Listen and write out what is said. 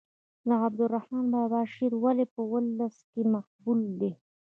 د عبدالرحمان بابا شعر ولې په ولس کې مقبول دی.